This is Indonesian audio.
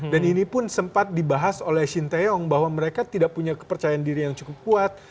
dan inipun sempat dibahas oleh shin taeyong bahwa mereka tidak punya kepercayaan diri yang cukup kuat